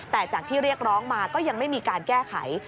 แต่จากที่เรียกร้องมาก็ยังไม่มีการแก้ไข